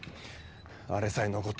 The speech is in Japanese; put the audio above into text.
あれさえ残っ